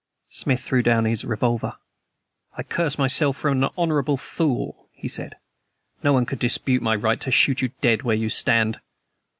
Smith threw down his revolver. "I curse myself for an honorable fool," he said. "No one could dispute my right to shoot you dead where you stand."